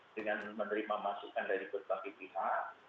dengan menerima masukan dari berbagai pihak